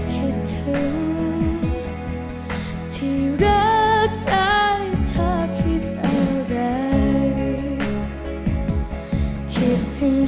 คนเดียวที่คิดถึง